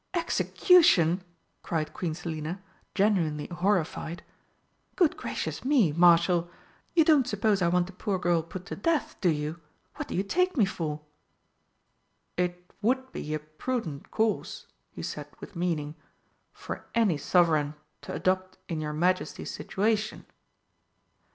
"Execution!" cried Queen Selina, genuinely horrified. "Good gracious me, Marshal, you don't suppose I want the poor girl put to death, do you? What do you take me for?" "It would be a prudent course," he said with meaning, "for any Sovereign to adopt in your Majesty's situation."